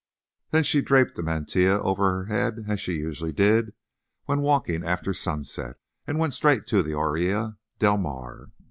Then she draped the mantilla over her head as she usually did when walking after sunset, and went straight to the Orilla del Mar.